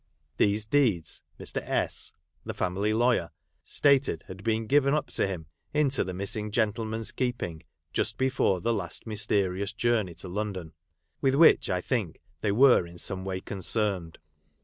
These deeds Mr. S (the family lawyer) stated had been given up by him into the missing gentle man's keeping just before the last mysterious journey to London, with which I think they were in some way concerned.